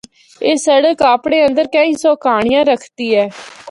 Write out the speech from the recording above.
اے سڑک اپنڑے اندر کئی سو کہانڑیاں رکھدی ہے۔